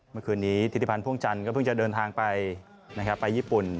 เมื่อคืนนี้ธิติพันธ์พ่วงจันทร์ก็เพิ่งจะเดินทางไปไปญี่ปุ่น